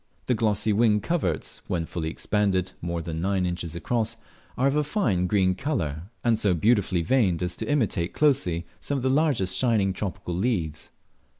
The glossy wing coverts (when fully expanded, more than nine inches across) are of a fine green colour and so beautifully veined as to imitate closely some of the large shining tropical leaves.